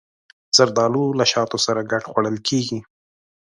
زردالو له شاتو سره ګډ خوړل کېږي.